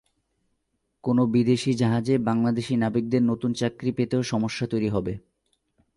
কোনো বিদেশি জাহাজে বাংলাদেশি নাবিকদের নতুন চাকরি পেতেও সমস্যা তৈরি হবে।